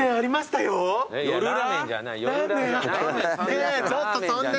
ねえちょっとそんな。